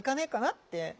って。